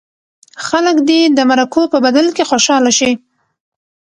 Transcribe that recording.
خلک دې د مرکو په بدل کې خوشاله شي.